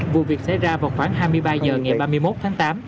vụ việc xảy ra vào khoảng hai mươi ba h ngày ba mươi một tháng tám